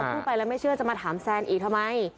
พูดไปแล้วไม่เชื่อจะมาถามแซนอีกทำไม